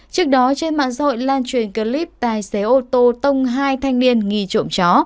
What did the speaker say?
trước đó trên mạng xã hội lan truyền clip tài xế ô tô tông hai thanh niên nghi trộm chó